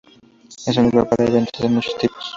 Es un lugar para eventos de muchos tipos.